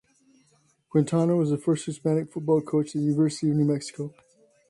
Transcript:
Quintana was the first Hispanic football coach at the University of New Mexico.